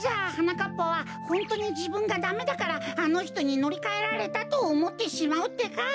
かっぱはホントにじぶんがダメだからあのひとにのりかえられたとおもってしまうってか。